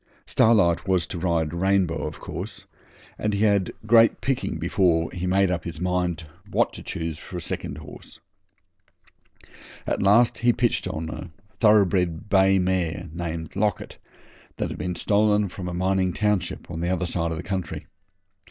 Starlight was to ride Rainbow, of course, and he had great picking before he made up his mind what to choose for second horse. At last he pitched upon a thoroughbred bay mare named Locket that had been stolen from a mining township the other side of the country.